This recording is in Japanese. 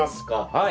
はい。